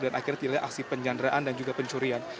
dan akhirnya tindakan aksi penyanderaan dan juga pencurian